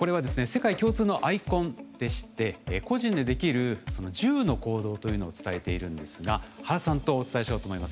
世界共通のアイコンでして「個人でできる１０の行動」というのを伝えているんですが原さんとお伝えしようと思います。